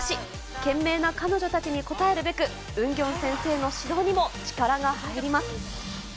懸命な彼女たちに応えるべく、ウンギョン先生の指導にも力が入ります。